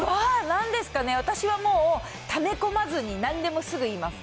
なんですかね、私はもう、ため込まずに、なんでもすぐ言います。